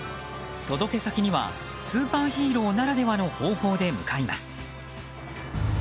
届け先にはスーパーヒーローならではの方法で向かいます。